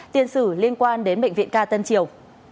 tiền xử liên quan đến bệnh viện ca tân triều